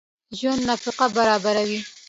ژوندي نفقه برابروي